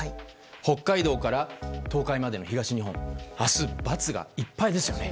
北海道から東海までの東日本明日、×がいっぱいですよね。